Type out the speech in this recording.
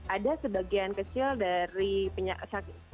ada sebagian kecil dari penyakit